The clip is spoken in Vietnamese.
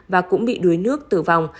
và cũng bị đuối nước tử vong